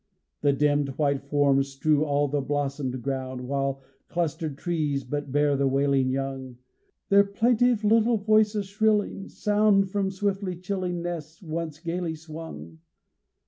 The dimmed white forms strew all the blossomed ground, While clustered trees but bear the wailing young; Their plaintive little voices shrilling, sound From swiftly chilling nests, once gayly swung.